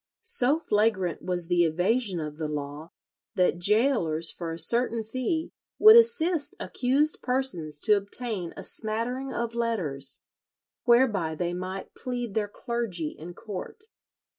So flagrant was the evasion of the law, that gaolers for a certain fee would assist accused persons to obtain a smattering of letters, whereby they might plead their "clergy" in court.